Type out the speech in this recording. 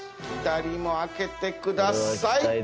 左も開けてください。